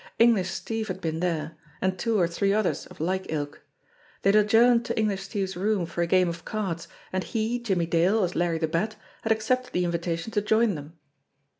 English Steve had been there, and two or three others of like ilk. They had adjourned to English Steve's room for a game of cards, and he, Jimmie Dale, as Larry the Bat, had accepted the invita tion to join them.